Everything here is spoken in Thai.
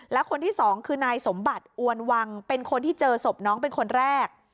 แล้วคนที่สองคือนายสมบัติอวนวังเป็นคนที่เจอศพน้องเป็นคนแรก